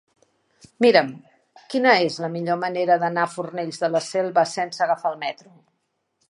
Mira'm quina és la millor manera d'anar a Fornells de la Selva sense agafar el metro.